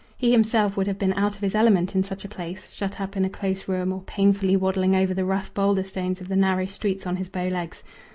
He himself would have been out of his element in such a place, shut up in a close room or painfully waddling over the rough boulder stones of the narrow streets on his bow legs.